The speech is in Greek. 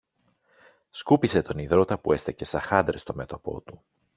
σκούπισε τον ιδρώτα που έστεκε σα χάντρες στο μέτωπο του.